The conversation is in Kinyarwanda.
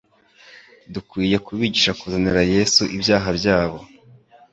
Dukwiriye kubigisha kuzanira Yesu ibyaha byabo,